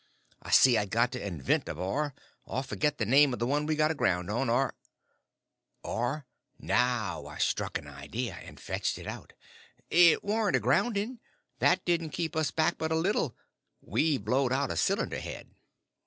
I see I'd got to invent a bar, or forget the name of the one we got aground on—or—Now I struck an idea, and fetched it out: "It warn't the grounding—that didn't keep us back but a little. We blowed out a cylinder head."